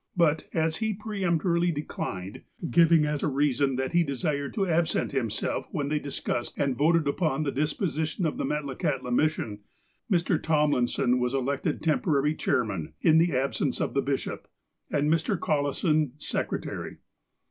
But, as he peremptorily declined, giving as a reason that he desired to absent himself when they discussed and voted upon the disposition of the Metlakahtla Mission, Mr. Tomlinson was elected tem porary chairman, in the absence of the bishop, and Mr. Collison, secretary.